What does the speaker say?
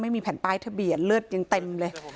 ไม่มีแผ่นป้ายทะเบียนเลือดยังเต็มเลย